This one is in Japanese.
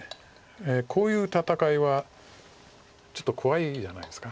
こういう戦いはちょっと怖いじゃないですか。